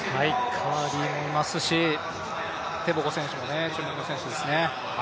カーリーもいますし、テボゴ選手も注目の選手ですね。